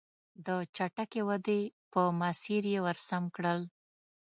د چټکې ودې په مسیر یې ور سم کړل.